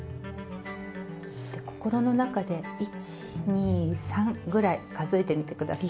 心の中で１２３ぐらい数えてみて下さい。